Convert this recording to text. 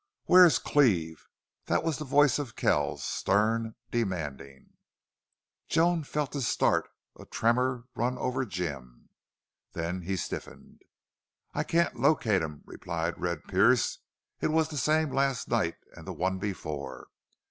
"Where is Cleve?" That was the voice of Kells, stern, demanding. Joan felt a start, a tremor run over Jim. Then he stiffened. "I can't locate him," replied Red Pearce. "It was the same last night an' the one before.